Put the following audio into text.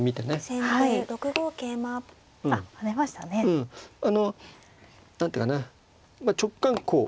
うんあの何ていうかな直感こう。